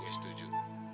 iya gue setuju